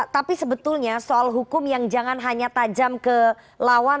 tapi sebetulnya soal hukum yang jangan hanya tajam ke lawan